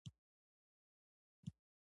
او د کال، د ټوله کال تیاره ماښام دی